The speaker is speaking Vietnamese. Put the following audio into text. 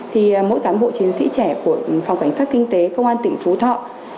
thì mỗi cán bộ chiến sĩ trẻ của phòng cảnh sát kinh tế công an tỉnh phú thọ